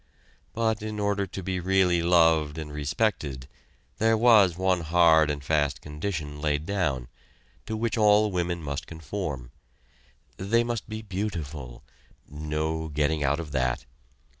But in order to be really loved and respected there was one hard and fast condition laid down, to which all women must conform they must be beautiful, no getting out of that.